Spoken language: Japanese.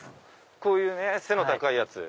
こういうね背の高いやつ